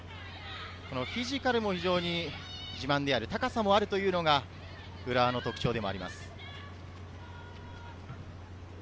フィジカルも非常に自慢である、高さもあるのが浦和の特徴です。